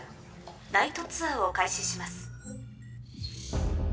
ナイトツアーを開始します。